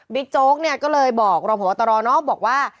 บิ๊กโจ๊กเนี่ยก็เลยบอกรอบหัวตรอนอกบอกว่า